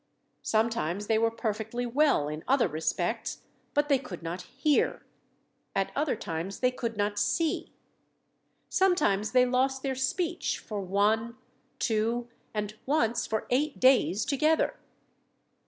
Sometimes they were perfectly well in other respects, but they could not hear; at other times they could not see. Sometimes they lost their speech for one, two, and once for eight days together.